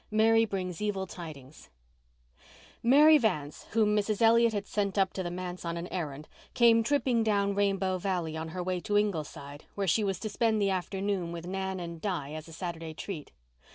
MARY BRINGS EVIL TIDINGS Mary Vance, whom Mrs. Elliott had sent up to the manse on an errand, came tripping down Rainbow Valley on her way to Ingleside where she was to spend the afternoon with Nan and Di as a Saturday treat.